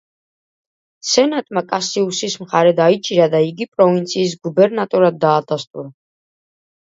სენატმა კასიუსი მხარე დაიჭირა და იგი პროვინციის გუბერნატორად დაადასტურა.